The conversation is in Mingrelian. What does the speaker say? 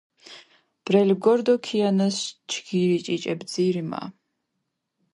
ბრელი ბგორი დო ქიჸანას ჯგირი ჭიჭე ბძირი მა!